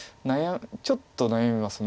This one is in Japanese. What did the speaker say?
ちょっと悩みます。